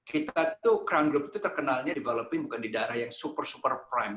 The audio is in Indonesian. kita tuh crown group itu terkenalnya developping bukan di daerah yang super super prime